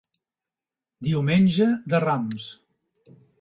Diumenge de Rams.